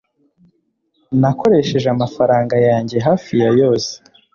nakoresheje amafaranga yanjye hafi ya yose